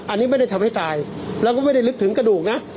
อันนี้ไม่ได้ทำให้ตายเราก็ไม่ได้ลึกถึงกระดูกนะ